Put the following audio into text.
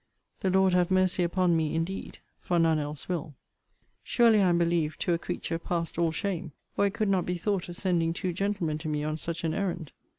The Lord have mercy upon me indeed! for none else will. Surely I am believed to a creature past all shame, or it could not be thought of sending two gentlemen to me on such an errand.